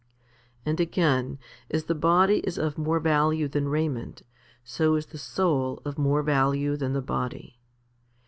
And again, as the body is of more value than raiment, so is the soul of more value than the body.